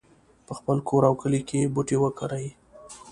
په خپل کور او کلي کې بوټي وکرئ